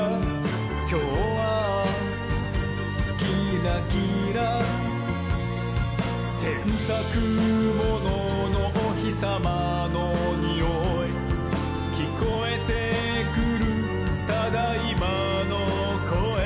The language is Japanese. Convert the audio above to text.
「きょうはキラキラ」「せんたくもののおひさまのにおい」「きこえてくる『ただいま』のこえ」